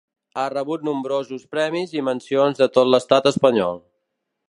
Ha rebut nombrosos premis i mencions de tot l'estat espanyol.